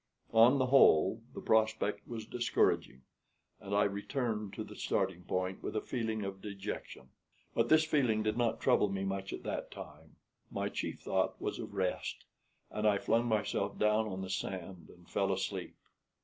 On the whole the prospect was discouraging, and I returned to the starting point with a feeling of dejection; but this feeling did not trouble me much at that time: my chief thought was of rest, and I flung myself down on the sand and fell asleep.